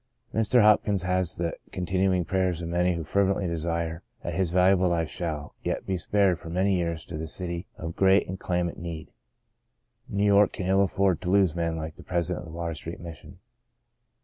Mr. Hopkins has the con tinuing prayers of many who fervently desire that his valuable life shall yet be spared for many years to the city of great and clamant need. New York can ill afford to lose men like the president of the Water Street Mis sion.